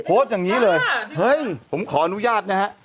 โพสต์อย่างนี้เลยเฮ้ยผมขออนุญาตนะฮะ